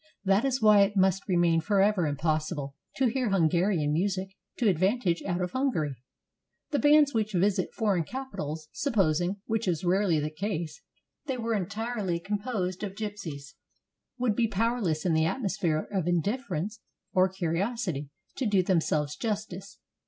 That is why it must remain forever impossible to hear Hungarian music to advantage out of Hungary. The bands which visit foreign capitals — supposing, which is rarely the case, they were entirely composed of gypsies — would be powerless in the atmosphere of indifference or curiosity to do themselves justice.